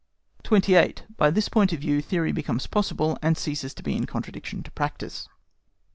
28. BY THIS POINT OF VIEW THEORY BECOMES POSSIBLE, AND CEASES TO BE IN CONTRADICTION TO PRACTICE.